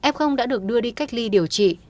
f đã được đưa đi cách ly điều trị